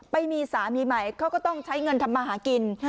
ไปมีสามีใหม่เขาก็ต้องใช้เงินทำมาหากิน